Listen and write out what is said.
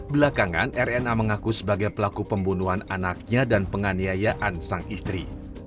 belakangan rna mengaku sebagai pelaku pembunuhan anaknya dan penganiayaan sang istri